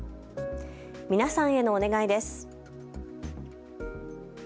皆さんへのお願いです。